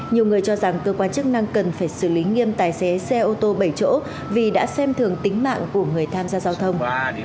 nhiều người cho rằng cơ quan chức năng cần phải xử lý nghiêm tài xế xe ô tô bảy chỗ vì đã xem thường tính mạng của người tham gia giao thông